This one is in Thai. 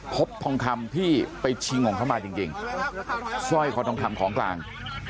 พบทองคำที่ไปชิงของเขามาจริงสร้อยคอทองคำของกลาง